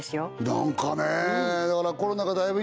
何かねだからコロナがだいぶ